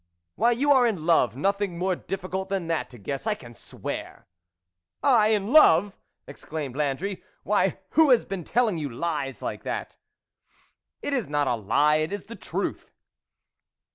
" Why, you are in love ; nothing more difficult than that to guess, I can swear." "I, in love! " exclaimed Landry; "why who has been telling you lies like that ?"" It is not a lie, it is the truth."